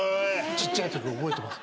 ちっちゃいとき覚えてます。